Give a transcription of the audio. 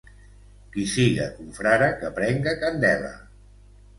Qui siga confrare que prenga candela.